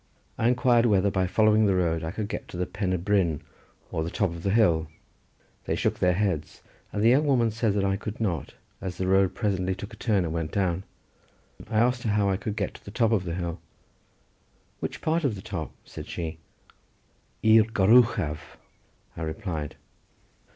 I inquired whether by following the road I could get to the Pen y bryn or the top of the hill. They shook their heads and the young woman said that I could not, as the road presently took a turn and went down. I asked her how I could get to the top of the hill. "Which part of the top?" said she. "I'r gor uchaf," I replied.